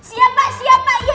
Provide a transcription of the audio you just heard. siap pak siap pak